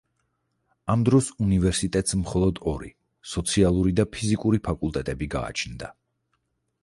ამ დროს უნივერსიტეტს მხოლოდ ორი: სოციალური და ფიზიკური ფაკულტეტები გააჩნდა.